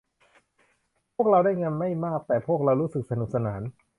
พวกเราได้เงินไม่มากแต่พวกเรารู้สึกสนุกสนาน